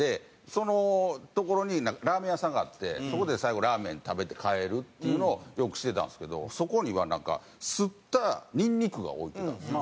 その所にラーメン屋さんがあってそこで最後ラーメン食べて帰るっていうのをよくしてたんですけどそこにはなんかすったにんにくが置いてたんですよ。